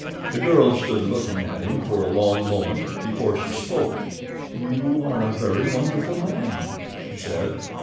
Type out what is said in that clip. The girl stood looking at him for a long moment before she spoke. "You are a very wonderful man," she said.